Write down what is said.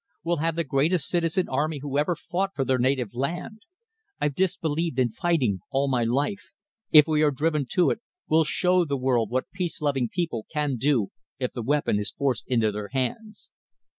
We'll have the greatest citizen army who ever fought for their native land. I've disbelieved in fighting all my life. If we are driven to it, we'll show the world what peace loving people can do, if the weapon is forced into their hands.